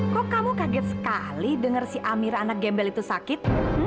kok kamu kaget sekali dengar si amira anak gembel itu sakit